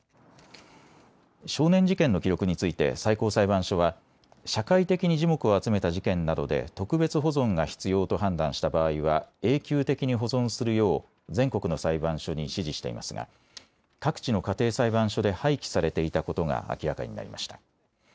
少年事件の記録について最高裁判所は社会的に耳目を集めた事件などで特別保存が必要と判断した場合は永久的に保存するよう全国の裁判所に指示していますが各地の家庭裁判所で廃棄されていたことが明らかになりました。